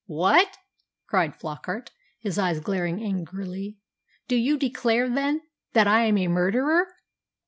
"What!" cried Flockart, his eyes glaring angrily, "do you declare, then, that I am a murderer?"